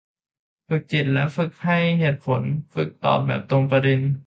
ฝึกจิต และพยายามฝึกให้เหตุผล ฝึกตอบแบบตรงประเด็น